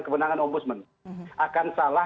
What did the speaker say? kewenangan om budsman akan salah